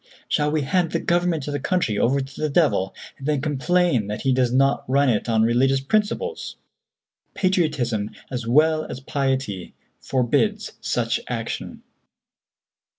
Shall we hand the government of the country over to the devil, and then complain that he does not run it on religious principles? Patriotism as well as piety forbids such action.